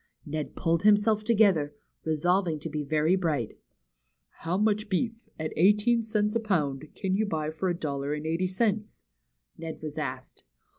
Ned pulled himself together, resolving to be very bright. How much beef, at eighteen cents a pound, can you buy for a dollar and eighty cents ?'' Ned was asked.